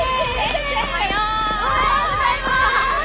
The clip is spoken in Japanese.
おはよう！おはようございます！